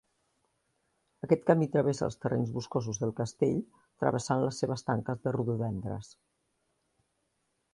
Aquest camí travessa els terrenys boscosos del castell, travessant les seves tanques de rododendres.